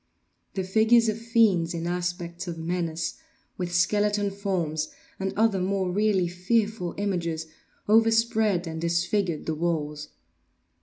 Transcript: The figures of fiends in aspects of menace, with skeleton forms, and other more really fearful images, overspread and disfigured the walls.